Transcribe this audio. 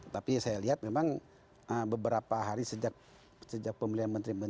tapi saya lihat memang beberapa hari sejak pemilihan menteri menteri